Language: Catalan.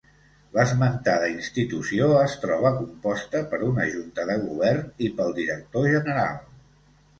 L'esmentada institució es troba composta per una Junta de Govern i pel Director General.